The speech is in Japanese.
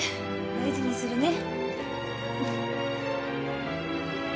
大事にするね。